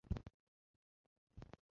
斯巴达克斯是一名色雷斯角斗士。